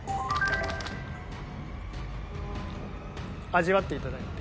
味わっていただいて。